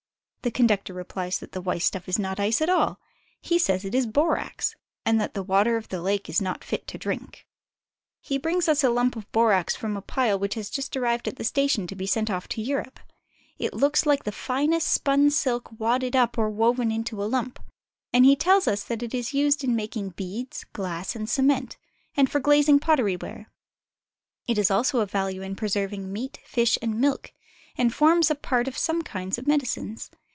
The conductor replies that the white stuff is not ice at all. He says it is borax, and that the water of the lake is not fit to drink. He brings us a lump of borax from a pile which has just arrived at the station to be sent off to Europe. It looks like the finest spun silk wadded up or woven into a lump, and he tells us that it is used in making beads, glass, and cement, and for glazing pottery ware. It is also of value in preserving meat, fish, and milk, and forms a part of some kinds of medicines.